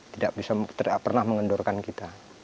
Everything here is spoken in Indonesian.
tidak bisa pernah mengendorkan kita